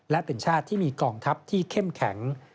และเป็นชาติที่มีกองทัพที่เข้มแข็ง